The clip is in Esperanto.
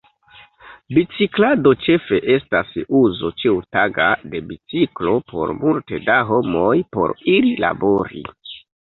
Biciklado ĉefe estas uzo ĉiutaga de biciklo por multe da homoj, por iri labori.